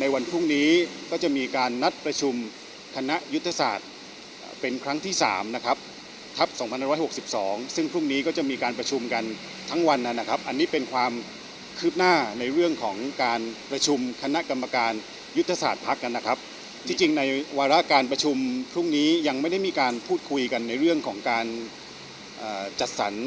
ในวันพรุ่งนี้ก็จะมีการนัดประชุมคณะยุทธศาสตร์เป็นครั้งที่๓นะครับทัพ๒๑๖๒ซึ่งพรุ่งนี้ก็จะมีการประชุมกันทั้งวันนั้นนะครับอันนี้เป็นความคืบหน้าในเรื่องของการประชุมคณะกรรมการยุทธศาสตร์พักกันนะครับที่จริงในวาระการประชุมพรุ่งนี้ยังไม่ได้มีการพูดคุยกันในเรื่องของการจัดสรร